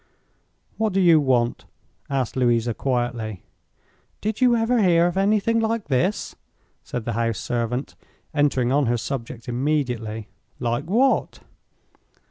"What do you want?" asked Louisa, quietly. "Did you ever hear of anything like this!" said the house servant, entering on her subject immediately. "Like what?"